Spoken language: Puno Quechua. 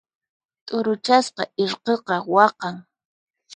T'uruchasqa irqiqa waqan.